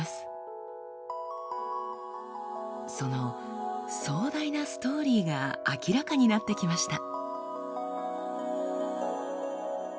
その壮大なストーリーが明らかになってきました。